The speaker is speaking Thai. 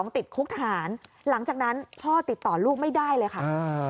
ติดคุกทหารหลังจากนั้นพ่อติดต่อลูกไม่ได้เลยค่ะ